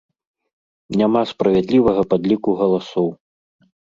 Няма справядлівага падліку галасоў.